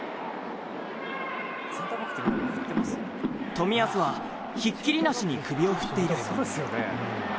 冨安は、ひっきりなしに首を振っている。